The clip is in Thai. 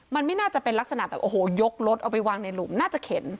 มันไม่น่าจะเป็นลักษณะแบบโอ้โหยกรถเอาไปวางในหลุมน่าจะเข็น